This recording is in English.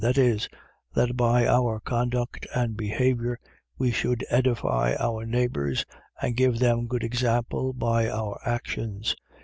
. .That is, that by our conduct and behaviour we should edify our neighbours, and give them good example by our actions.